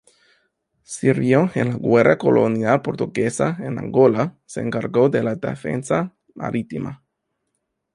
Sirvió en la Guerra colonial portuguesa, en Angola, se encargó de la defensa marítima.